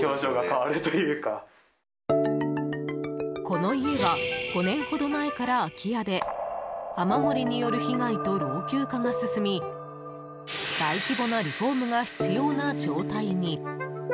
この家は５年ほど前から空き家で雨漏りによる被害と老朽化が進み大規模なリフォームが必要な状態に。